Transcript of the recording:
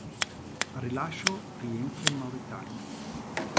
Al rilascio rientra in Mauritania.